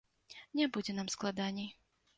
Не будзе нам складаней.